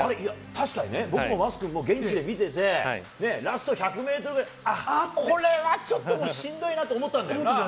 僕も現地で見ていてラスト１００ｍぐらい、あこれはちょっとしんどいなと思ったんだけど。